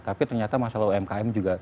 tapi ternyata masalah umkm juga